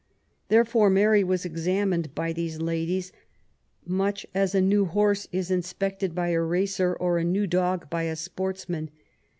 Therefore Mary was examined by these ladies much as a new horse is inspected by a racer, or a new dog by a sportsman.